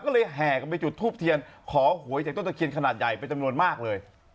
ก็เลยแห่กันไปจุดทูปเทียนขอหวยจากต้นตะเคียนขนาดใหญ่เป็นจำนวนมากเลย